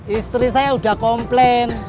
istri saya udah komplain